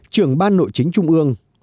trưởng ban nội chính trung ương